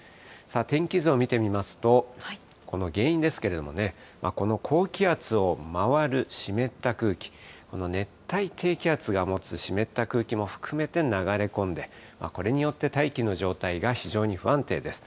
天気図を見てみますと、この原因ですけれどもね、この高気圧を回る湿った空気、熱帯低気圧が持つ湿った空気も含めて流れ込んで、これによって大気の状態が非常に不安定です。